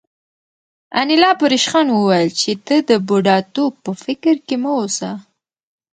انیلا په ریشخند وویل چې ته د بوډاتوب په فکر کې مه اوسه